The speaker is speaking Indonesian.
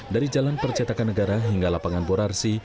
dari jalan percetakan negara hingga lapangan borarsi